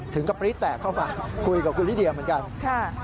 ถึงก็ปรี๊ดแตกเข้ามาคุยกับคุณลิเดียเหมือนกัน